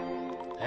え？